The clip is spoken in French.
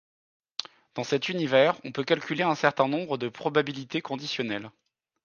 Dans cet univers, on peut calculer un certain nombre de probabilités conditionnelles.